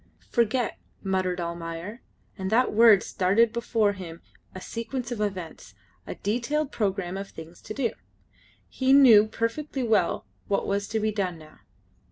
"Forget!" muttered Almayer, and that word started before him a sequence of events, a detailed programme of things to do. He knew perfectly well what was to be done now.